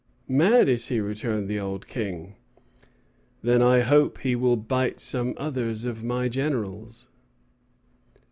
"Mad is he?" returned the old King; "then I hope he will bite some others of my generals."